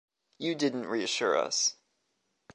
You didn’t reassure us.